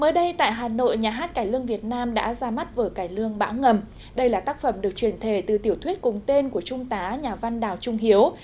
mới đây tại hà nội nhà hát cải lương việt nam đã ra mắt vở cải lương bão ngầm đây là tác phẩm được truyền thề từ tiểu thuyết cùng tên của trung tá nhà văn đào trung hiếu